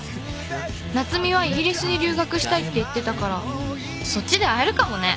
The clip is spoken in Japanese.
夏美はイギリスに留学したいって言ってたからそっちで会えるかもね。